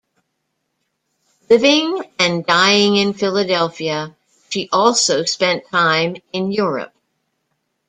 Living and dying in Philadelphia, she also spent time in Europe.